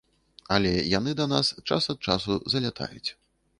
Але яны да нас час ад часу залятаюць.